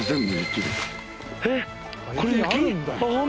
えっ！？